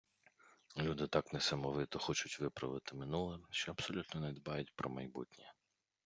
Люди так несамовито хочуть виправити минуле, що абсолютно не дбають про майбутнє.